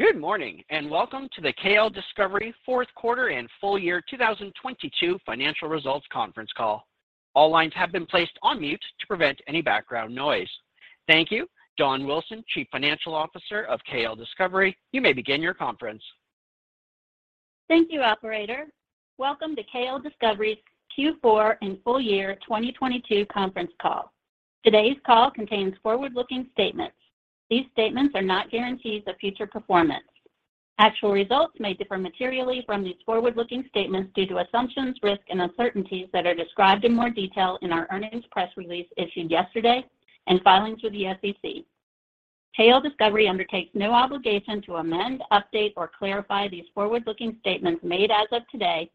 Good morning, welcome to the KLDiscovery fourth quarter and full year 2022 financial results conference call. All lines have been placed on mute to prevent any background noise. Thank you. Dawn Wilson, Chief Financial Officer of KLDiscovery, you may begin your conference. Thank you, operator. Welcome to KLDiscovery's Q4 and full year 2022 conference call. Today's call contains forward-looking statements. These statements are not guarantees of future performance. Actual results may differ materially from these forward-looking statements due to assumptions, risks and uncertainties that are described in more detail in our earnings press release issued yesterday and filings with the SEC. KLDiscovery undertakes no obligation to amend, update, or clarify these forward-looking statements made as of today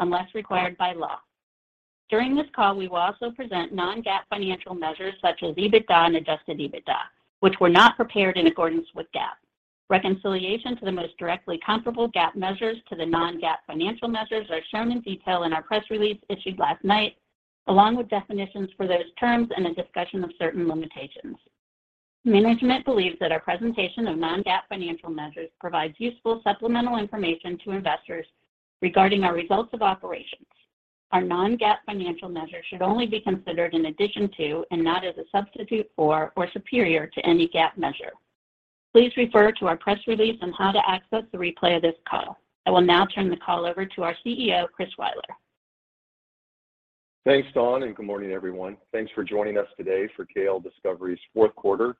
unless required by law. During this call, we will also present Non-GAAP financial measures such as EBITDA and Adjusted EBITDA, which were not prepared in accordance with GAAP. Reconciliation to the most directly comparable GAAP measures to the Non-GAAP financial measures are shown in detail in our press release issued last night, along with definitions for those terms and a discussion of certain limitations. Management believes that our presentation of Non-GAAP financial measures provides useful supplemental information to investors regarding our results of operations. Our Non-GAAP financial measures should only be considered in addition to and not as a substitute for or superior to any GAAP measure. Please refer to our press release on how to access the replay of this call. I will now turn the call over to our CEO, Chris Weiler. Thanks, Dawn, and good morning, everyone. Thanks for joining us today for KLDiscovery's fourth quarter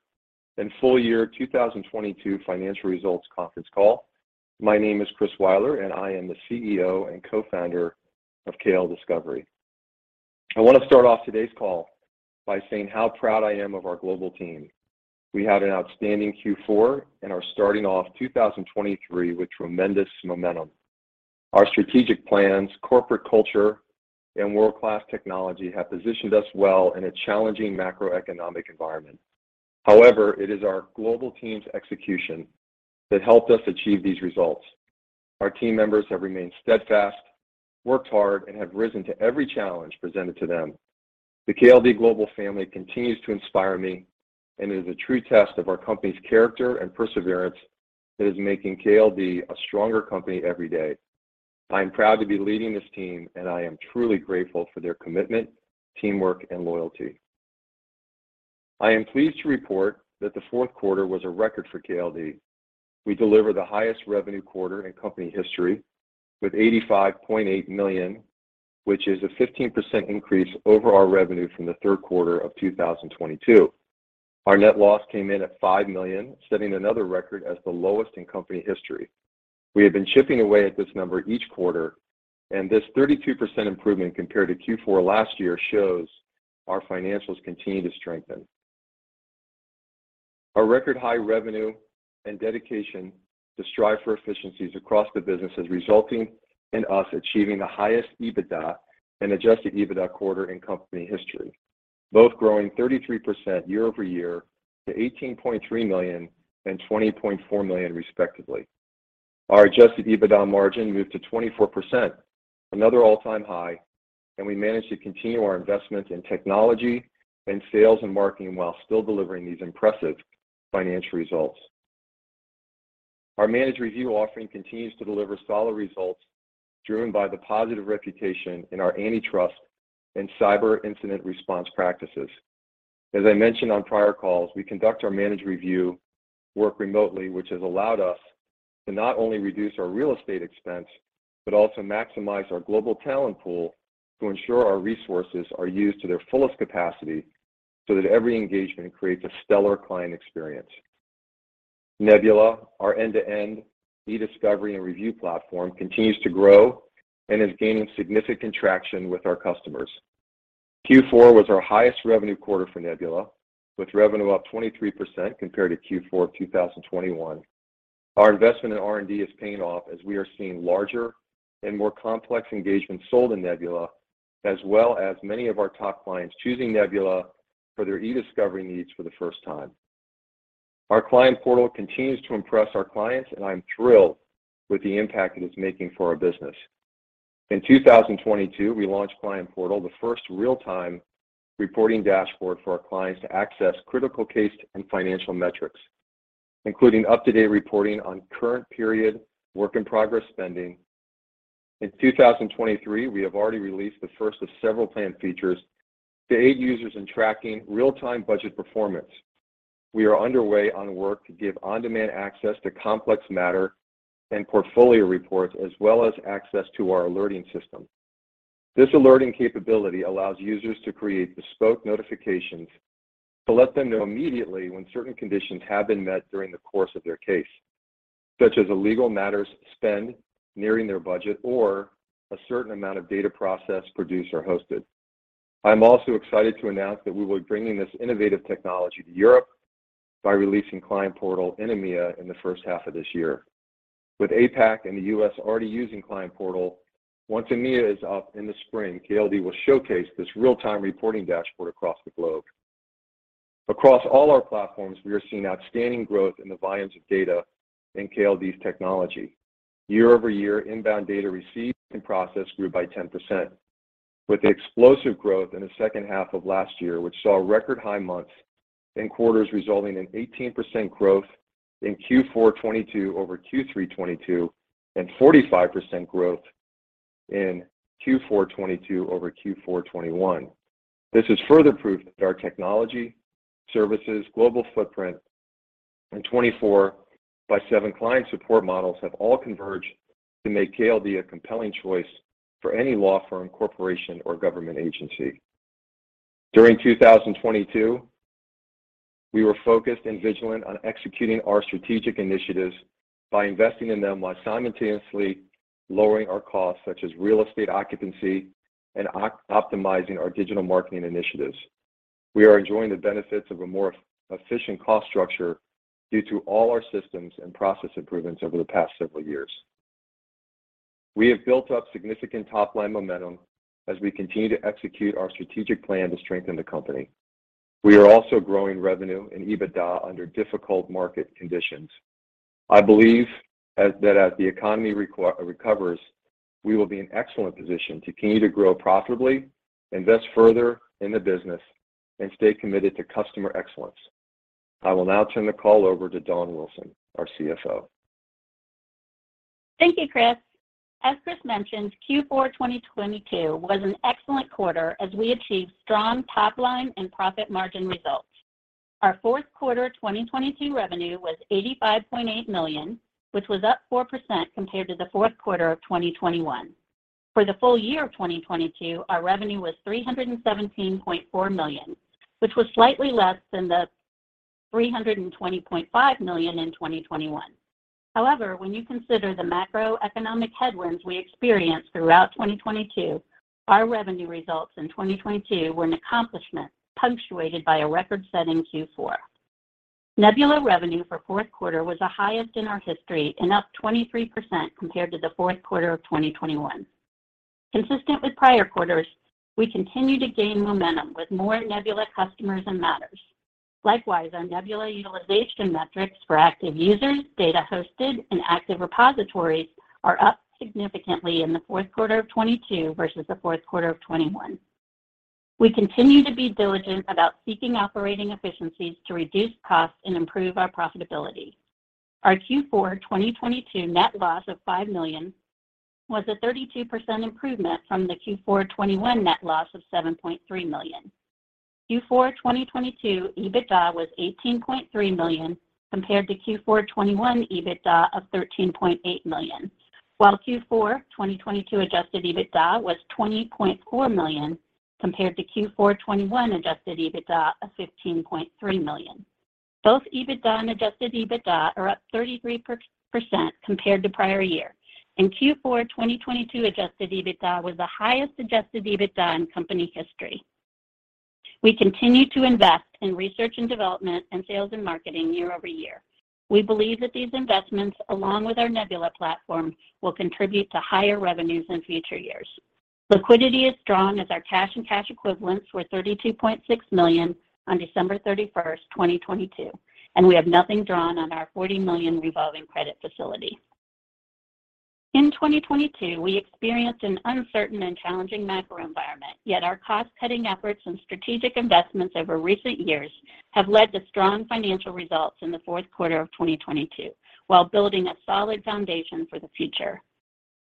and full year 2022 financial results conference call. My name is Chris Weiler, and I am the CEO and co-founder of KLDiscovery. I want to start off today's call by saying how proud I am of our global team. We had an outstanding Q4 and are starting off 2023 with tremendous momentum. Our strategic plans, corporate culture, and world-class technology have positioned us well in a challenging macroeconomic environment. However, it is our global team's execution that helped us achieve these results. Our team members have remained steadfast, worked hard, and have risen to every challenge presented to them. The KLD global family continues to inspire me and is a true test of our company's character and perseverance that is making KLD a stronger company every day. I am proud to be leading this team, and I am truly grateful for their commitment, teamwork, and loyalty. I am pleased to report that the fourth quarter was a record for KLD. We delivered the highest revenue quarter in company history with $85.8 million, which is a 15% increase over our revenue from the third quarter of 2022. Our net loss came in at $5 million, setting another record as the lowest in company history. We have been chipping away at this number each quarter, and this 32% improvement compared to Q4 last year shows our financials continue to strengthen. Our record high revenue and dedication to strive for efficiencies across the business is resulting in us achieving the highest EBITDA and Adjusted EBITDA quarter in company history, both growing 33% year-over-year to $18.3 million and $20.4 million respectively. Our Adjusted EBITDA margin moved to 24%, another all-time high, and we managed to continue our investment in technology and sales and marketing while still delivering these impressive financial results. Our managed review offering continues to deliver solid results driven by the positive reputation in our antitrust and cyber incident response practices. As I mentioned on prior calls, we conduct our managed review work remotely, which has allowed us to not only reduce our real estate expense, but also maximize our global talent pool to ensure our resources are used to their fullest capacity so that every engagement creates a stellar client experience. Nebula, our end-to-end eDiscovery and review platform, continues to grow and is gaining significant traction with our customers. Q4 was our highest revenue quarter for Nebula, with revenue up 23% compared to Q4 of 2021. Our investment in R&D is paying off as we are seeing larger and more complex engagements sold in Nebula, as well as many of our top clients choosing Nebula for their eDiscovery needs for the first time. Our Client Portal continues to impress our clients, and I'm thrilled with the impact it is making for our business. In 2022, we launched Client Portal, the first real-time reporting dashboard for our clients to access critical case and financial metrics, including up-to-date reporting on current period work in progress spending. In 2023, we have already released the first of several planned features to aid users in tracking real-time budget performance. We are underway on work to give on-demand access to complex matter and portfolio reports, as well as access to our alerting system. This alerting capability allows users to create bespoke notifications to let them know immediately when certain conditions have been met during the course of their case, such as a legal matter's spend nearing their budget or a certain amount of data processed, produced, or hosted. I'm also excited to announce that we will be bringing this innovative technology to Europe by releasing Client Portal in EMEA in the first half of this year. With APAC and the U.S. already using Client Portal, once EMEA is up in the spring, KLD will showcase this real-time reporting dashboard across the globe. Across all our platforms, we are seeing outstanding growth in the volumes of data in KLD's technology. Year-over-year, inbound data received and processed grew by 10%With the explosive growth in the second half of last year, which saw record high months and quarters resulting in 18% growth in Q4 2022 over Q3 2022, and 45% growth in Q4 2022 over Q4 2021. This is further proof that our technology, services, global footprint, and 24/7 client support models have all converged to make KLD a compelling choice for any law firm, corporation, or government agency. During 2022, we were focused and vigilant on executing our strategic initiatives by investing in them while simultaneously lowering our costs, such as real estate occupancy and optimizing our digital marketing initiatives. We are enjoying the benefits of a more efficient cost structure due to all our systems and process improvements over the past several years. We have built up significant top-line momentum as we continue to execute our strategic plan to strengthen the company. We are also growing revenue and EBITDA under difficult market conditions. I believe that as the economy. recovers, we will be in excellent position to continue to grow profitably, invest further in the business, and stay committed to customer excellence. I will now turn the call over to Dawn Wilson, our CFO. Thank you, Chris. As Chris mentioned, Q4 2022 was an excellent quarter as we achieved strong top line and profit margin results. Our fourth quarter 2022 revenue was $85.8 million, which was up 4% compared to the fourth quarter of 2021. For the full year of 2022, our revenue was $317.4 million, which was slightly less than the $320.5 million in 2021. When you consider the macroeconomic headwinds we experienced throughout 2022, our revenue results in 2022 were an accomplishment punctuated by a record-setting Q4. Nebula revenue for fourth quarter was the highest in our history and up 23% compared to the fourth quarter of 2021. Consistent with prior quarters, we continue to gain momentum with more Nebula customers and matters. Likewise, our Nebula utilization metrics for active users, data hosted, and active repositories are up significantly in the fourth quarter of 2022 versus the fourth quarter of 2021. We continue to be diligent about seeking operating efficiencies to reduce costs and improve our profitability. Our Q4 2022 net loss of $5 million was a 32% improvement from the Q4 2021 net loss of $7.3 million. Q4 2022 EBITDA was $18.3 million compared to Q4 2021 EBITDA of $13.8 million. While Q4 2022 Adjusted EBITDA was $20.4 million compared to Q4 2021 Adjusted EBITDA of $15.3 million. Both EBITDA and Adjusted EBITDA are up 33% compared to prior year. In Q4 2022 Adjusted EBITDA was the highest Adjusted EBITDA in company history. We continue to invest in research and development and sales and marketing year-over-year. We believe that these investments, along with our Nebula platform, will contribute to higher revenues in future years. Liquidity is strong as our cash and cash equivalents were $32.6 million on December 31st, 2022, and we have nothing drawn on our $40 million revolving credit facility. In 2022, we experienced an uncertain and challenging macro environment. Yet our cost-cutting efforts and strategic investments over recent years have led to strong financial results in the fourth quarter of 2022 while building a solid foundation for the future.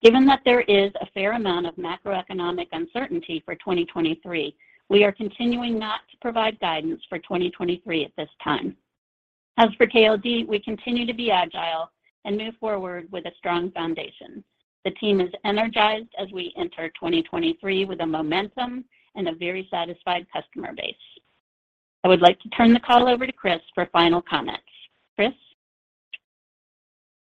Given that there is a fair amount of macroeconomic uncertainty for 2023, we are continuing not to provide guidance for 2023 at this time. As for KLD, we continue to be agile and move forward with a strong foundation. The team is energized as we enter 2023 with a momentum and a very satisfied customer base. I would like to turn the call over to Chris for final comments. Chris?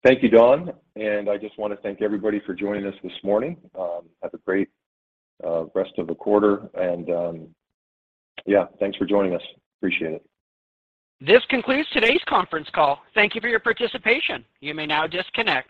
Thank you, Dawn. I just wanna thank everybody for joining us this morning. Have a great rest of the quarter. Yeah, thanks for joining us. Appreciate it. This concludes today's conference call. Thank You for your participation. You may now disconnect.